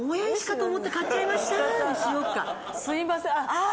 「すいません」。